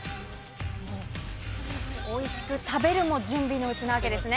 おいしく食べるも、準備のうちなわけですね。